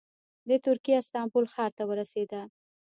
د ترکیې استانبول ښار ته ورسېده.